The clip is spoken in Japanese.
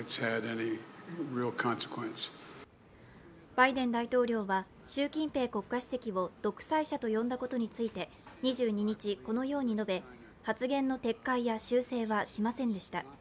バイデン大統領は習近平国家主席を独裁者と呼んだことについて２２日このように述べ発言の撤回や修正はしませんでした。